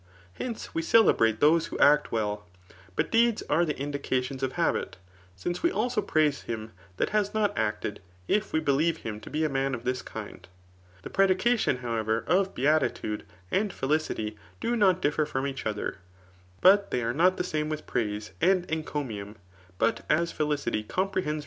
Hence, we oele« brate those who act well ; but deeds are the indications <$f hdhit ; since we also praise him that has not acted, if We believe him to be a man of this kind. Th& prediw cation, however, of beatitude and felicity, do not diffisr iforsi each ether, batchey are sot the same with pRadse )md encomium ; but as felicity apprehends .